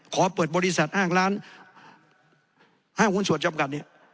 ขอเปิดบริษัทห้างร้านห้างหุ้นส่วนจำกัดเนี่ย